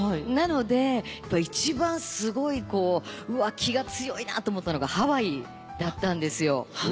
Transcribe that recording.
なので一番すごいこううわ気が強いなと思ったのがハワイだったんですよ。